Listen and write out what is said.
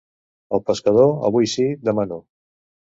El pescador, avui sí, demà no.